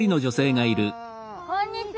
こんにちは。